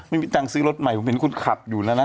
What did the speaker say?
ไม่มีอาจจะซื้อรถใหม่เพราะวันนี้คุณขับอยู่นะนะ